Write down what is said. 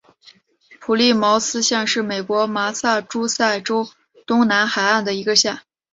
普利茅斯县是美国麻萨诸塞州东南海岸的一个县。